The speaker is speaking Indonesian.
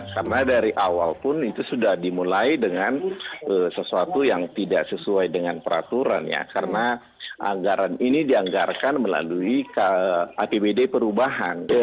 karena dari awal pun itu sudah dimulai dengan sesuatu yang tidak sesuai dengan peraturan ya karena anggaran ini dianggarkan melalui apbd perubahan